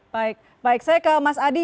baik baik saya ke mas adi